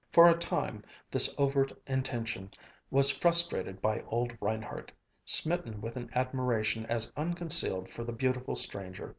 For a time this overt intention was frustrated by old Reinhardt, smitten with an admiration as unconcealed for the beautiful stranger.